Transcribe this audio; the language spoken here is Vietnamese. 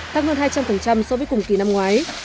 tăng hơn hai trăm linh so với cùng kỳ năm ngoái